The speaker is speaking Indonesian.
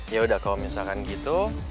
yaudah kalau misalkan gitu